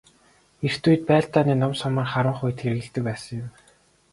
Эрт үед байлдааны нум сумаар харвах үед хэрэглэдэг байсан юм.